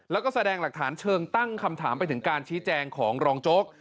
แล้วก็แสดงหลักฐานเชิงตั้งคำถามไปถึงการชี้แจงของรองโจ๊ก